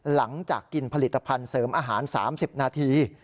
หลังจากกินผลิตภัณฑ์เสริมอาหาร๓๐นาที